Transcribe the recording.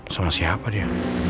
sama siapa dia